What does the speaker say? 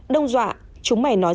đông dọa chúng mày nói ra